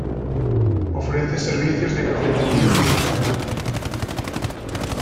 Ofrece servicios de cafetería y restaurante.